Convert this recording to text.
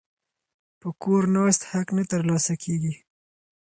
په کور ناست حق نه ترلاسه کیږي.